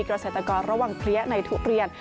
เกษตรกรระวังเพลี้ยในทุเรียน